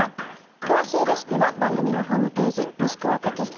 詳しいレシピは番組のホームページもしくはテキスト